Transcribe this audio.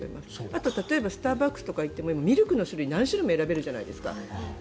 あとはスターバックスとか行ってもミルクの種類を何種類も選べるじゃないですか。